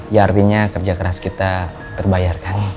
ya artinya kerja keras kita terbayar kan